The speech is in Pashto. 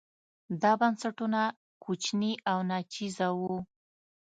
دا بنسټونه کوچني او ناچیزه وو.